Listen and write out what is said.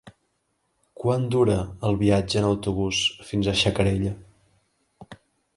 Quant dura el viatge en autobús fins a Xacarella?